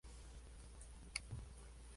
Revista Teoría de la Educación.